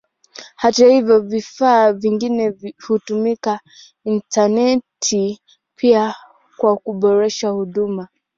Hata hivyo vifaa vingi hutumia intaneti pia kwa kuboresha huduma.